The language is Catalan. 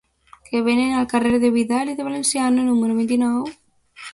Què venen al carrer de Vidal i de Valenciano número vint-i-nou?